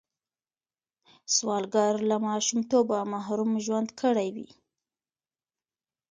سوالګر له ماشومتوبه محروم ژوند کړی وي